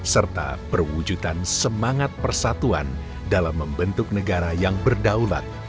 serta perwujudan semangat persatuan dalam membentuk negara yang berdaulat